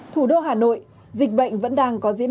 thủ đô hà nội dịch bệnh vẫn đang có dịch bệnh